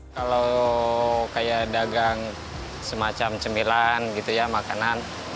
kalau kayak dagang semacam cemilan gitu ya makanan